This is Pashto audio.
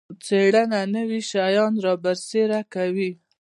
څیړنه نوي شیان رابرسیره کوي